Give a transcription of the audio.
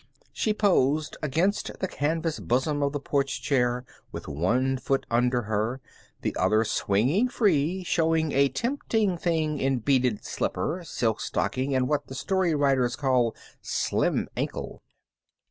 She posed against the canvas bosom of the porch chair with one foot under her, the other swinging free, showing a tempting thing in beaded slipper, silk stocking, and what the story writers call "slim ankle."